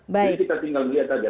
jadi kita tinggal lihat saja